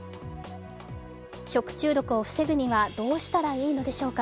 食中毒を防ぐにはどうしたらいいのでしょうか